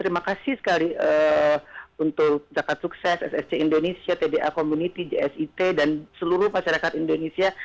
terima kasih sekali untuk zakat sukses ssc indonesia tda community jsit dan seluruh masyarakat indonesia